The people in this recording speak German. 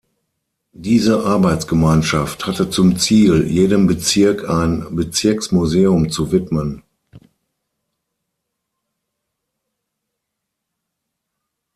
Diese Arbeitsgemeinschaft hatte zum Ziel, jedem Bezirk ein Bezirksmuseum zu widmen.